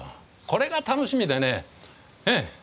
これが楽しみでねええ。